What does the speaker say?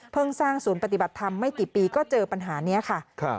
สร้างศูนย์ปฏิบัติธรรมไม่กี่ปีก็เจอปัญหานี้ค่ะ